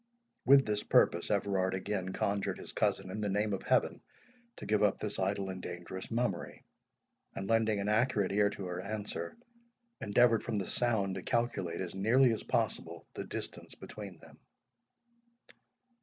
With this purpose, Everard again conjured his cousin, in the name of Heaven, to give up this idle and dangerous mummery; and lending an accurate ear to her answer, endeavoured from the sound to calculate as nearly as possible the distance between them.